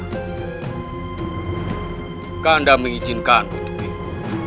kakanda mengizinkanmu untuk itu